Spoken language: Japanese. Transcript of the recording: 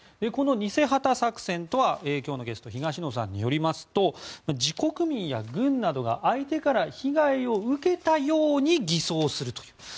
この偽旗作戦とは今日のゲストの東野さんによりますと自国民や軍などが相手から被害を受けたように偽装するという。